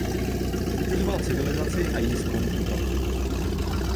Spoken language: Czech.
Kritizoval civilizaci a její sklon k úpadku.